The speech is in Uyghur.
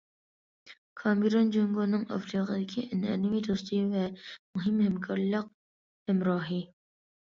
كامېرون جۇڭگونىڭ ئافرىقىدىكى ئەنئەنىۋى دوستى ۋە مۇھىم ھەمكارلىق ھەمراھى.